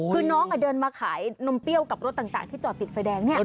คือน้องเดินมาขายนมเปรี้ยวกับรถต่างที่จอดติดไฟแดง